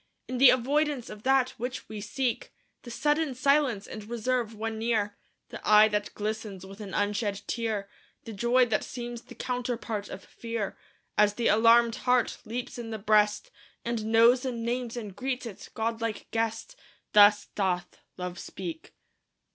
In the avoidance of that which we seek The sudden silence and reserve when near The eye that glistens with an unshed tear The joy that seems the counterpart of fear, As the alarmed heart leaps in the breast, And knows and names and greets its godlike guest Thus doth Love speak.